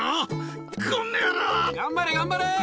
頑張れ、頑張れ。